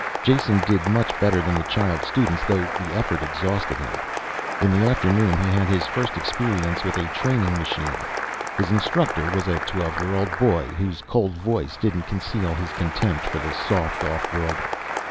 Jason did much better than the child students, though the effort exhausted him. In the afternoon he had his first experience with a training machine. His instructor was a twelve year old boy, whose cold voice didn't conceal his contempt for the soft off worlder.